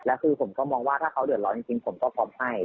แล้วคือผมก็มองว่าถ้าเขาเดือดร้อนจริงผมก็พร้อมให้